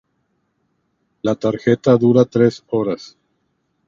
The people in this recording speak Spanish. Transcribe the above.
La tarjeta dura tres horas.